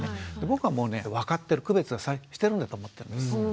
僕はもうね分かってる区別はしてるんだと思ってます。